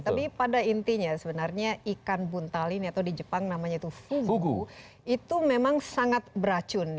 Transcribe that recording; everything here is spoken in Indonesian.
tapi pada intinya sebenarnya ikan buntal ini atau di jepang namanya itu fugu itu memang sangat beracun